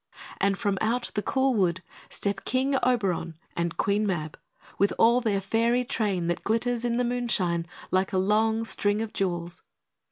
And from out the cool wood step King Oberon and Queen Mab, with all their Fairy train that glitters in the moonshine like a long string of jewels.